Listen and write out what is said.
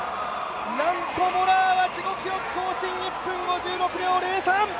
なんとモラアは自己記録更新、１分５６秒０３。